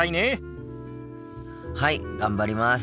はい頑張ります！